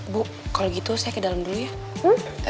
bu kalau gitu saya ke dalam dulu ya